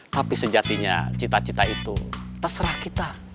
tapi sejatinya cita cita itu terserah kita